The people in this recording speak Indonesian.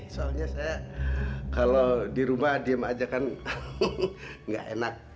soalnya saya kalau di rumah diem aja kan nggak enak